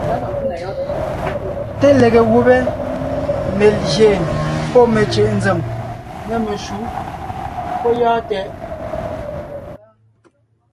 Té lege gùbé (melyè pɔ́ mecʉ̀ʼ nzèm) nê meshǔ... pɔ́ gyɔ́ɔn tɛʼ!